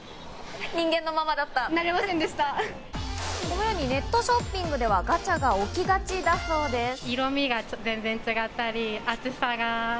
このようにネットショッピングではガチャが起きがちだそうです。